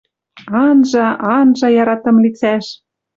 Анжа, анжа яратым лицӓш.